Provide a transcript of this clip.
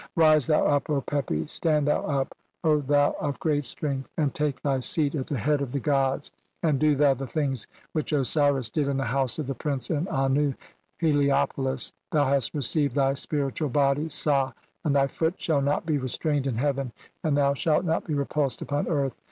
(22) "Rise thou up, O Pepi, stand thou up, O thou of THE ELYS IAN FIELDS OR HEAVEN. CXXXIII "great strength, and take thy seat at the head of "the gods ; and do thou the things which Osiris did "in the House of the Prince in Annu (Heliopolis). "Thou hast received thy (2 3) spiritual body (sah), and "thy foot shall not be restrained in heaven, and thou "shalt not be repulsed upon earth.